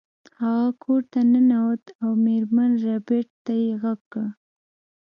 هغه کور ته ننوت او میرمن ربیټ ته یې غږ کړ